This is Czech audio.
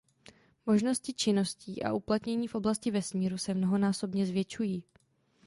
Možnosti činností a uplatnění v oblasti vesmíru se mnohonásobně zvětšují.